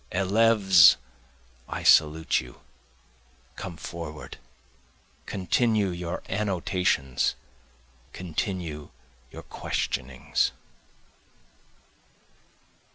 Eleves, I salute you! come forward! Continue your annotations, continue your questionings.